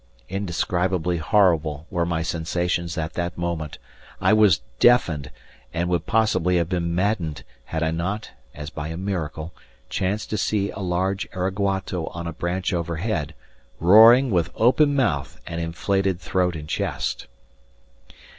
Indescribably horrible were my sensations at that moment; I was deafened, and would possibly have been maddened had I not, as by a miracle, chanced to see a large araguato on a branch overhead, roaring with open mouth and inflated throat and chest.